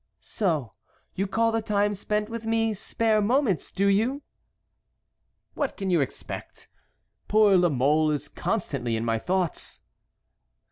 "So you call the time spent with me spare moments, do you?" "What can you expect? Poor La Mole is constantly in my thoughts."